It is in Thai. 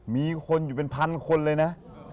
มีคนอยู่เป็นพันคนเลยนะ